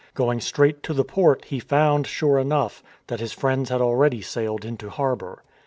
Going straight to the port he found, sure enough, that his friends had already sailed into harbour.